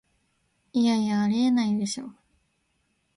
いやいや、ありえないでしょ